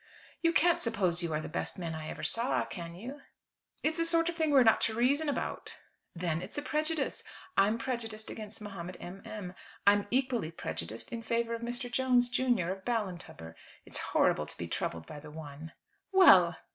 "You can't suppose you are the best man I ever saw, can you?" "It's a sort of thing we are not to reason about." "Then it's a prejudice. I'm prejudiced against Mahomet M. M. I'm equally prejudiced in favour of Mr. Jones, junior, of Ballintubber. It's horrible to be troubled by the one." "Well!"